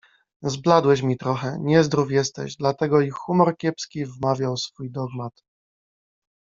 - Zbladłeś mi trochę, niezdrów jesteś, dlatego i humor kiepski - wmawiał swój dogmat